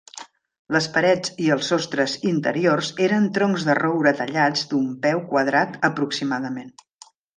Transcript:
Les parets i els sostres interiors eren troncs de roure tallats d'un peu quadrat aproximadament.